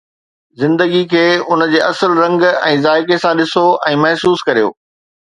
زندگي کي ان جي اصل رنگ ۽ ذائقي سان ڏسو ۽ محسوس ڪريو